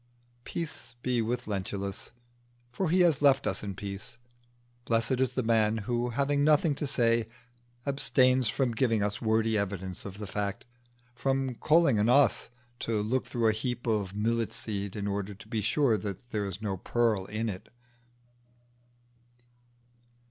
Peace be with Lentulus, for he has left us in peace. Blessed is the man who, having nothing to say, abstains from giving us wordy evidence of the fact from calling on us to look through a heap of millet seed in order to be sure that there is no pearl in it.